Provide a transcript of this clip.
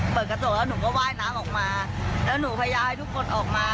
เปิดกระจกแล้วหนูก็ว่ายน้ำออกมาแล้วหนูพยายามให้ทุกคนออกมา